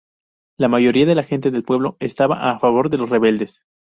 La mayoría de la gente del pueblo estaba a favor de los rebeldes.